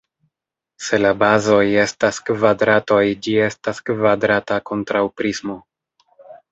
Se la bazoj estas kvadratoj ĝi estas kvadrata kontraŭprismo.